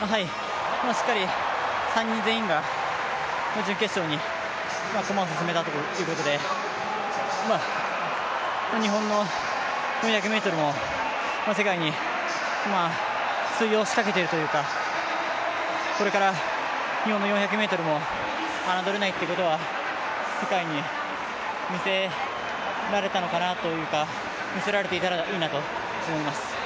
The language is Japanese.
しっかり３人全員が準決勝に駒を進めたということで、日本の４００ｍも世界に通用しかけているというか、これから日本の４００ｍもあなどれないということは世界に見せられたのかなというか、見せられていたらいいなと思います。